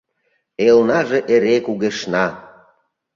Элнаже эре кугешна!